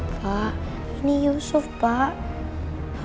pak ini yusuf pak